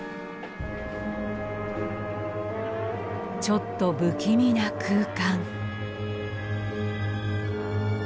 ちょっと不気味な空間。